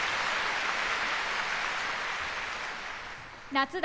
「夏だ！